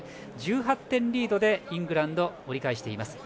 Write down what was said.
１８点リードでイングランド、折り返しています。